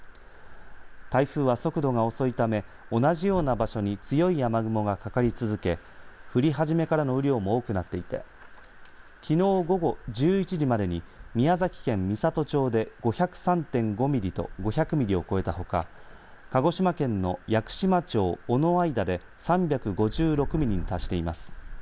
台風は速度が遅いため同じような場所に強い雨雲がかかり続け、降り始めからの雨量も多くなっていてきのう午後１１時までに宮崎県美郷町で５０３．５ミリと５００ミリを超えたほか鹿児島県の屋久島町尾之間で３５６ミリに達しています。